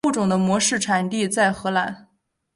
该物种的模式产地在荷兰。